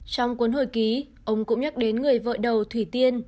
trong cuốn hồi ký ông cũng nhắc đến người vợ đầu thủy tiên